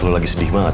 lo lagi sedih banget